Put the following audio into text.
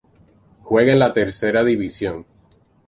Juega en la Tercera División.